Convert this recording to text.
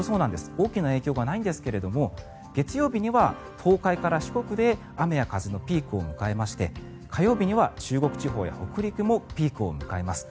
大きな影響がないんですけども月曜日には東海から四国で雨や風のピークを迎えまして火曜日には中国地方や北陸もピークを迎えます。